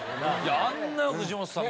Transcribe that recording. あんな藤本さん